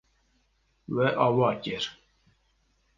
We ava kir.